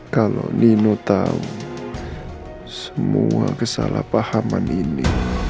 kalau nino tahu semua kesalah pahaman ini